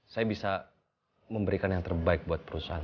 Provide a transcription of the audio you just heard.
saya bisa memberikan yang terbaik buat perusahaan